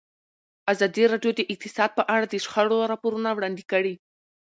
ازادي راډیو د اقتصاد په اړه د شخړو راپورونه وړاندې کړي.